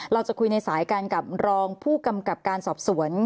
เราจะคุยในสายกันกับรองผู้กำกับการสอบสวน